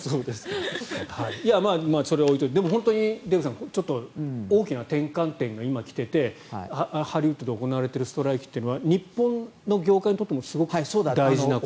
それは置いておいてデーブさん、大きな転換点が今、来ていてハリウッドで行われているストライキというのは日本の業界にとってもすごく大事なことだと。